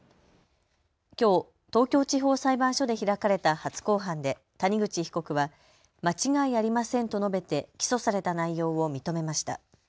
きょう東京地方裁判所で開かれた初公判で谷口被告は間違いありませんと述べて起訴された内容を認めました。